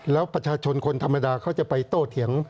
แล้วประชาชนคนธรรมดาเขาจะไปโต้เถียง